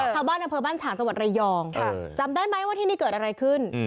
ข้างบ้านกำเพลินบ้านช้างสวรรค์รายยองค่ะจำได้ไหมว่าที่นี่เกิดอะไรขึ้น